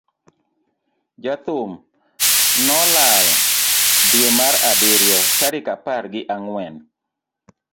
jathum no nolal dwe mar abiriyo tarik apar gi ang'wen,